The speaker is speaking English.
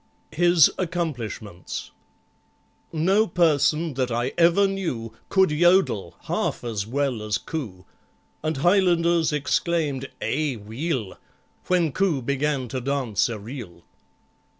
His Accomplishments No person that I ever knew Could "yödel" half as well as COO, And Highlanders exclaimed, "Eh, weel!" When COO began to dance a reel.